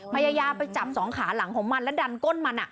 พยายามไปจับสองขาหลังของมันแล้วดันก้นมัน